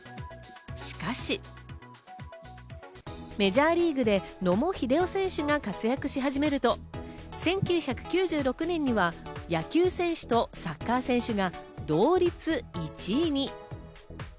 しかしメジャーリーグで野茂英雄選手が活躍し始めると、１９９６年には野球選手とサッカー選手が同率１位に。